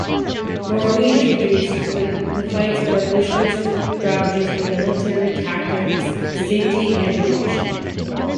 Moroni introduced to the Nephites revolutionary strategies in military tactics, safety, and precaution.